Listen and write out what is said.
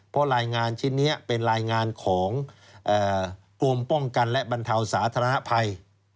เพราะรายงานชิ้นนี้เป็นรายงานของกรมป้องกันและบรรเทาสาธารณภัย